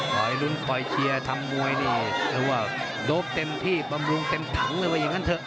คอยลุ้นคอยเชียร์ทำมวยนี่ถือว่าโดปเต็มที่บำรุงเต็มถังเลยว่าอย่างนั้นเถอะ